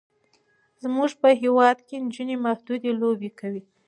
زمونږ په هیواد کې نجونې محدودې لوبې کوي.